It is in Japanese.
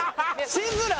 シズラー